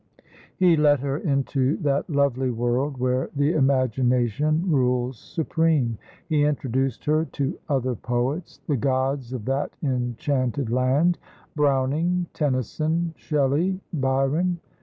He let her into that lovely world where the imagination rules supreme. He introduced her to other poets, the gods of that enchanted land Browning, Tennyson, Shelley, Byron.